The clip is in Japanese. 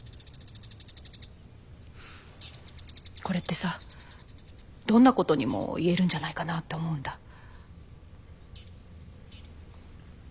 これってさどんなことにも言えるんじゃないかなって思うんだ。